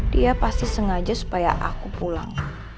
dia pasti sengaja supaya aku pulang